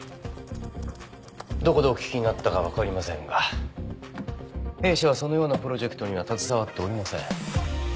どこでお聞きになったか分かりませんが弊社はそのようなプロジェクトには携わっておりません。